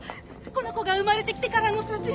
この子が生まれてきてからの写真。